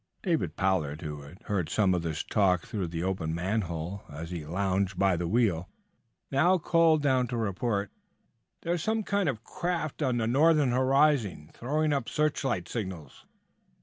David Pollard, who had heard some of this talk through the open manhole as he lounged by the wheel, now called down to report: "There's some kind of a craft on the northern horizon throwing up searchlight signals."